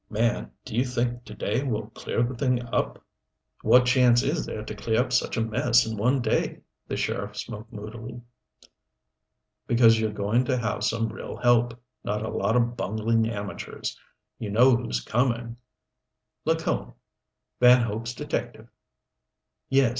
Man, do you think to day will clear the thing up?" "What chance is there to clear up such a mess in one day?" The sheriff spoke moodily. "Because you're going to have some real help not a lot of bungling amateurs. You know who's coming?" "Lacone Van Hope's detective." "Yes.